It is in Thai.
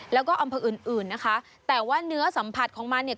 แล้วก็อำเภออื่นอื่นนะคะแต่ว่าเนื้อสัมผัสของมันเนี่ย